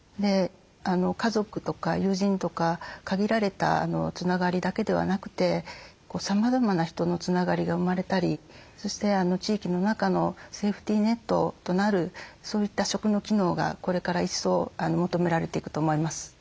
家族とか友人とか限られたつながりだけではなくてさまざまな人のつながりが生まれたりそして地域の中のセーフティーネットとなるそういった食の機能がこれから一層求められていくと思います。